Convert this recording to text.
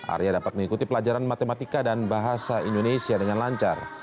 arya dapat mengikuti pelajaran matematika dan bahasa indonesia dengan lancar